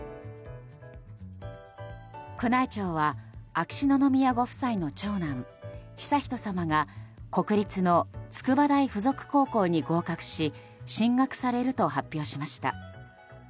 宮内庁は秋篠宮ご夫妻の長男・悠仁さまが国立の筑波大附属高校に合格し進学されると発表しました。